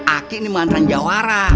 aki ini mantan jawara